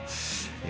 え